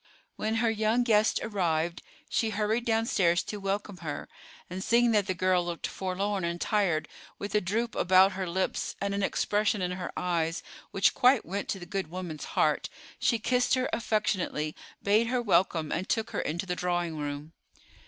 When her young guest arrived, she hurried downstairs to welcome her; and seeing that the girl looked forlorn and tired, with a droop about her lips and an expression in her eyes which quite went to the good woman's heart, she kissed her affectionately, bade her welcome, and took her into the drawing room.